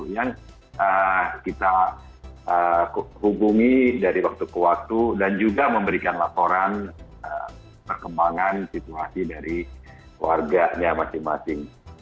yang kita hubungi dari waktu ke waktu dan juga memberikan laporan perkembangan situasi dari warganya masing masing